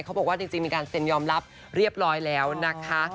เขาบอกว่าจริงมีการเซ็นยอมรับเรียบร้อยแล้วนะคะ